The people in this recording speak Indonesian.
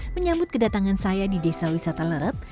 menyambut kedatangan saya di desa wisata lerep